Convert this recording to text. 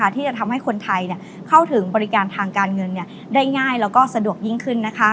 ที่จะทำให้คนไทยเข้าถึงบริการทางการเงินได้ง่ายแล้วก็สะดวกยิ่งขึ้น